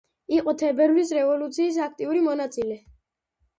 იყო თებერვლის რევოლუციის აქტიური მონაწილე.